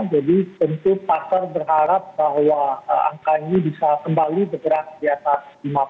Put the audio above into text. jadi tentu pasar berharap bahwa angka ini bisa kembali bergerak di atas lima puluh